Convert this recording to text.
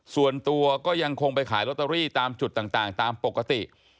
ส่วนตัวก็ยังคงไปขายลอตเตอรี่ตามจุดต่างตามปกติ